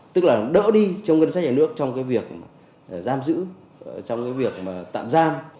tức là đỡ đi trong ngân sách nhà nước trong cái việc giam giữ trong cái việc mà tạm giam